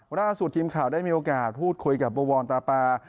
ล่าสุดทีมข่าวได้มีโอกาสพูดคุยกับบวรตาปา